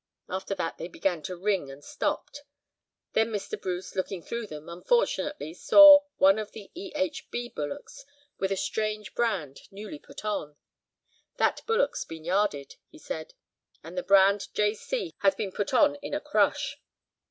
After that they began to 'ring,' and stopped. Then Mr. Bruce, looking through them, unfortunately saw one of the 'E. H. B.' bullocks with a strange brand newly put on. 'That bullock's been yarded,' he said, 'and the brand "J. C." has been put on in a crush.